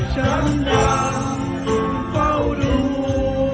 ฉันยังต้องเฝ้าดู